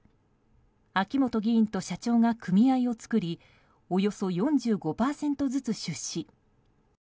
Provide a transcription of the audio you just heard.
秋本議員と社長が組合を作りおよそ４５％ずつ出資。